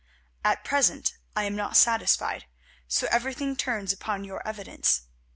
At present I am not satisfied, so everything turns upon your evidence.